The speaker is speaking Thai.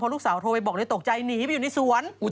ลูกสาวโทรไปบอกเลยตกใจหนีไปอยู่ในสวน